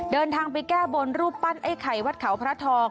เดินทางไปแก้บนรูปปั้นไอ้ไข่วัดเขาพระทอง